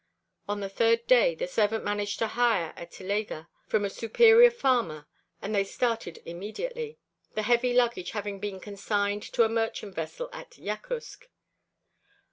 On the third day the servant managed to hire a telega from a superior farmer and they started immediately, the heavy luggage having been consigned to a merchant vessel at Yakutsk.